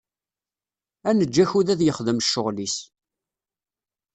Ad neǧǧ akud ad yexdem ccɣel-is.